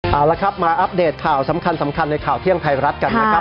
เอาละครับมาอัปเดตข่าวสำคัญในข่าวเที่ยงไทยรัฐกันนะครับ